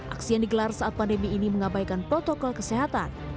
aksi yang digelar saat pandemi ini mengabaikan protokol kesehatan